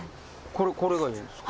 これがいいんですか？